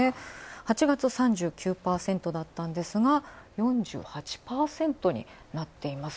８月、３９％だったのが、４８％になっています。